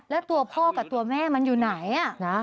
แล้วตัวพ่อกับตัวแม่มันอยู่ไหน